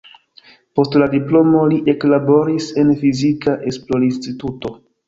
Post la diplomo li eklaboris en fizika esplorinstituto.